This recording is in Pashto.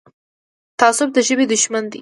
تعصب د ژبې دښمن دی.